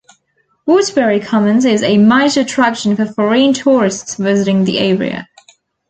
Woodbury Commons is a major attraction for foreign tourists visiting the area.